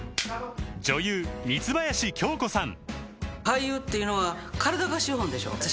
女優三林京子さん